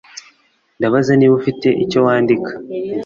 Ndabaza niba ufite icyo wandika.